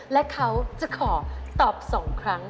และเขาจะขอตอบ๒ครั้ง